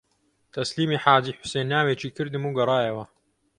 تەسلیمی حاجی حوسێن ناوێکی کردم و گەڕایەوە